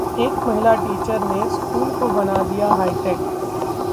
एक महिला टीचर ने स्कूल को बना दिया हाईटेक